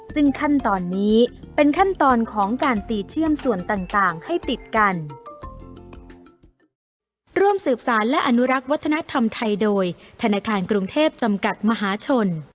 ซึ่งขั้นตอนนี้เป็นขั้นตอนของการตีเชื่อมส่วนต่างให้ติดกัน